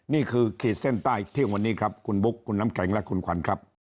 ขีดเส้นใต้เที่ยงวันนี้ครับคุณบุ๊คคุณน้ำแข็งและคุณขวัญครับ